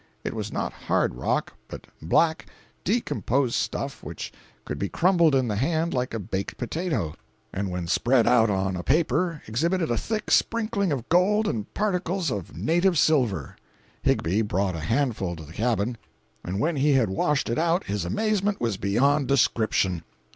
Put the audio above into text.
It was not hard rock, but black, decomposed stuff which could be crumbled in the hand like a baked potato, and when spread out on a paper exhibited a thick sprinkling of gold and particles of "native" silver. Higbie brought a handful to the cabin, and when he had washed it out his amazement was beyond description.